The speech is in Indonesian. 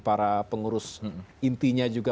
para pengurus intinya juga